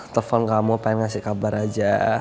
telepon kamu pengen ngasih kabar aja